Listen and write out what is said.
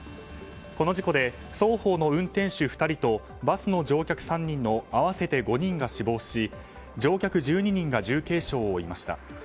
この事故で双方の運転手２人とバスの乗客３人の合わせて５人が死亡し乗客１２人が重軽傷を負いました。